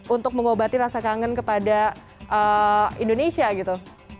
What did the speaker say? untuk mengobati rasa kangen kepada indonesia gitu